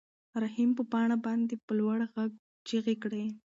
رحیم په پاڼه باندې په لوړ غږ چیغې کړې.